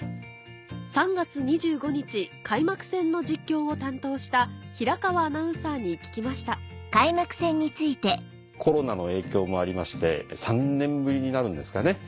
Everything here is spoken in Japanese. ３月２５日開幕戦の実況を担当した平川アナウンサーに聞きましたコロナの影響もありまして３年ぶりになるんですかね